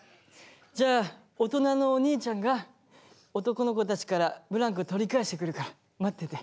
じゃあ大人のおにいちゃんが男の子たちからブランコ取り返してくるから待ってて。